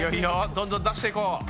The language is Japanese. どんどん出していこう。